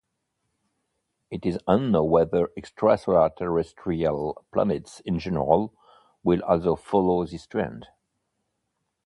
It is unknown whether extrasolar terrestrial planets in general will also follow this trend.